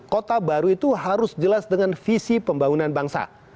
kota baru itu harus jelas dengan visi pembangunan bangsa